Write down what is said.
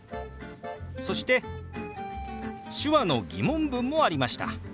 そして手話の疑問文もありました。